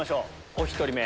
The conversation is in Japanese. お１人目